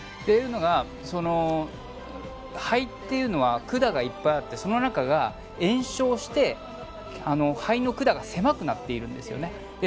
というのは肺っていうのは管がいっぱいあってその中が炎症して肺の管が狭くなっているんです。